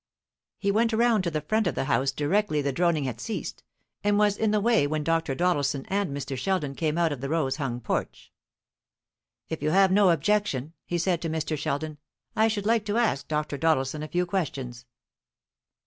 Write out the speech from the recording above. He went round to the front of the house directly the droning had ceased, and was in the way when Dr. Doddleson and Mr. Sheldon came out of the rose hung porch. "If you have no objection," he said to Mr. Sheldon, "I should like to ask Dr. Doddleson a few questions."